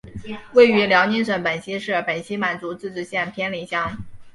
位于辽宁省本溪市本溪满族自治县偏岭乡。